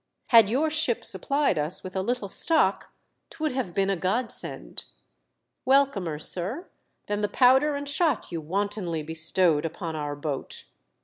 "Had your ship supplied us with a little stock 'twould have been a godsend ; welcomer, sir, than the pov/der and shot you wantonly be stowed upon our boat."